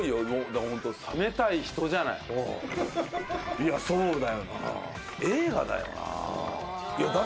いやそうだよな。